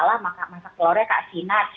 mungkin saya yang salah masak telurnya kak sinat